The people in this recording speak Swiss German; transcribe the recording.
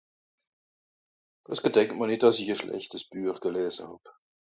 es gedenkem'r nìt dàss i a schleschtes Büech gelässe hàb